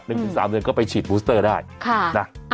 ถึงสามเดือนก็ไปฉีดบูสเตอร์ได้ค่ะนะ